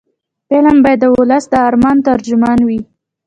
فلم باید د ولس د ارمانونو ترجمان وي